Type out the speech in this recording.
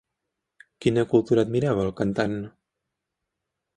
Quina cultura admirava el cantant?